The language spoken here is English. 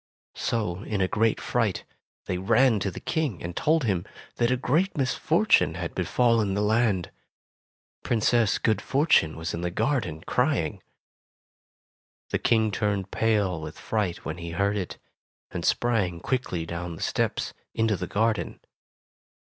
So in great fright, they ran to the King, and told him that a great misfortune had befallen the land — Princess Good Fortune was in the garden crying. The King turned pale with fright when he heard it, and sprang quickly down the steps, into the garden.